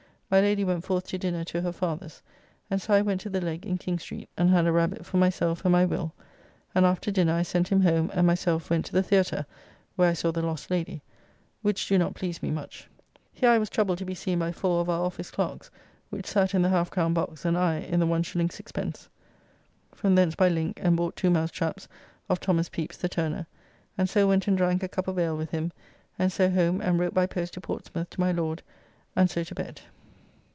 My Lady went forth to dinner to her father's, and so I went to the Leg in King Street and had a rabbit for myself and my Will, and after dinner I sent him home and myself went to the Theatre, where I saw "The Lost Lady," which do not please me much. Here I was troubled to be seen by four of our office clerks, which sat in the half crown box and I in the 1s. 6d. From thence by link, and bought two mouse traps of Thomas Pepys, the Turner, and so went and drank a cup of ale with him, and so home and wrote by post to Portsmouth to my Lord and so to bed.